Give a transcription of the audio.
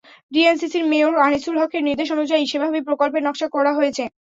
DNCC mayor Anisul হকের নির্দেশ অনুযায়ী সেভাবেই প্রকল্পের নকশা করা হয়েছে।